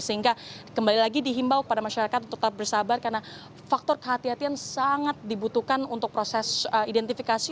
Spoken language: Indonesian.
sehingga kembali lagi dihimbau kepada masyarakat untuk tetap bersabar karena faktor kehatian sangat dibutuhkan untuk proses identifikasi